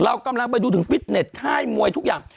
เรากำลังไปดูถึงฟิตเน็ตค่ายมวยทุกอย่าง